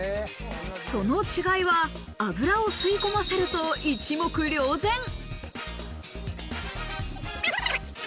その違いは油を吸い込ませると、一目瞭然。